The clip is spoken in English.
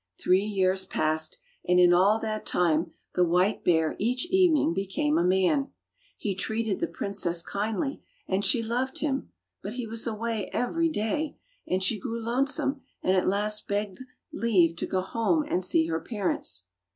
Three years passed, and in all that time the white bear each evening became a man. He treated the princess kindly, and she loved him; but he was away every day, and she grew lonesome and at last begged leave to go home and see her parents.